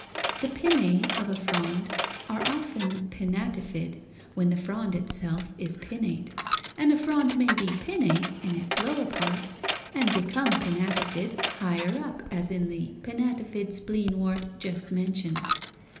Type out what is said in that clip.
3). The pinnæ of a frond are often pinnátifid when the frond itself is pinnate; and a frond may be pinnate in its lower part and become pinnátifid higher up as in the pinnátifid spleenwort just mentioned (Fig.